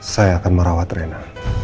saya akan merawat rena